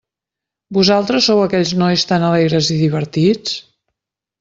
Vosaltres sou aquells nois tan alegres i divertits?